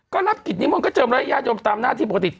ก็นับกิจนิมนต์ก็เจิมรัฐยาชนมตามหน้าที่ปกติ